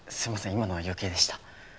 今のは余計でした。